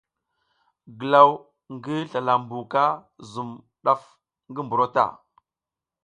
Glaw ngi slala mbuka zum daf ngi buro ta.